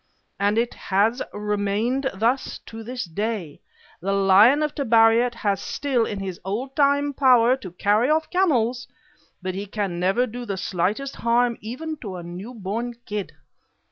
And it has remained thus to this day: the lion of Tabariat has still all his old time power to carry off camels, but he can never do the slightest harm to even a new born kid.